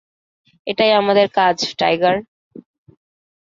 এটাই আমাদের কাজ, টাইগার!